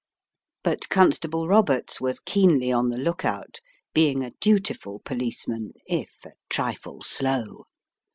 But Constable Roberts was keenly on the look out, being a dutiful policeman if a trifle slow.